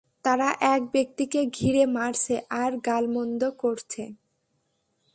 তারা এক ব্যক্তিকে ঘিরে মারছে আর গালমন্দ করছে।